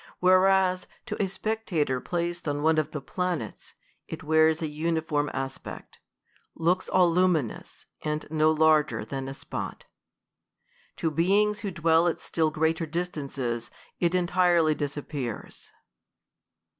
Whereas, to a spectator placed on one of the planets, it wears a uniform aspect ; looks all luminous, and no<. larger than a spot. To beings who dwell at still greater distances, it entirely dis appears.